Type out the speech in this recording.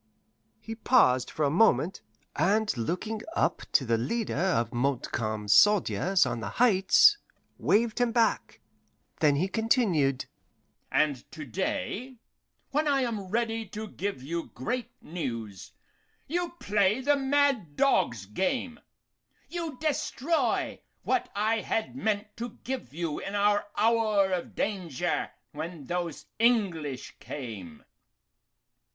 He paused for a moment, and looking up to the leader of Montcalm's soldiers on the Heights, waved him back; then he continued: "And to day, when I am ready to give you great news, you play the mad dog's game; you destroy what I had meant to give you in our hour of danger, when those English came.